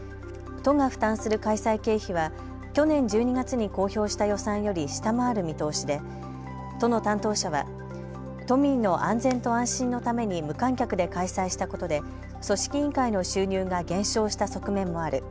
都が負担する開催経費は去年１２月に公表した予算より下回る見通しで都の担当者は都民の安全と安心のために無観客で開催したことで組織委員会の収入が減少した側面もある。